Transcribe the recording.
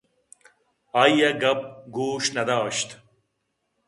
آئی ءَ گپ گوش نہ داشت